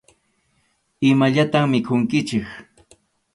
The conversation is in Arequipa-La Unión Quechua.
Imallatam mikhunkichik.